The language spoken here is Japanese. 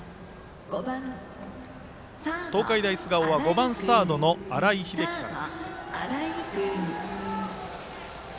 東海大菅生５番サードの新井瑛喜から。